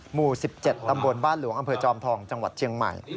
หมู่๑๗ตำบลบ้านหลวงอำเภอจอมทองจังหวัดเชียงใหม่